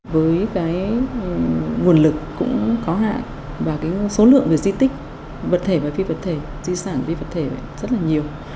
với cái nguồn lực cũng có hại và cái số lượng về di tích vật thể và phi vật thể di sản phi vật thể rất là nhiều